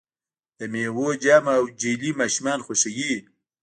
د میوو جام او جیلی ماشومان خوښوي.